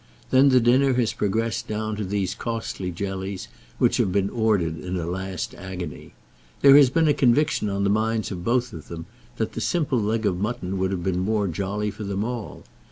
Then the dinner has progressed down to those costly jellies which have been ordered in a last agony. There has been a conviction on the minds of both of them that the simple leg of mutton would have been more jolly for them all.